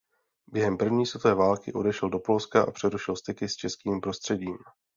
Během první světové války odešel do Polska a přerušil styky s českým prostředím.